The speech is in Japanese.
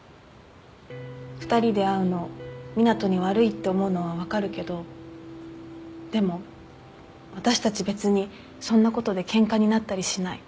２人で会うの湊斗に悪いって思うのは分かるけどでも私たち別にそんなことでケンカになったりしない。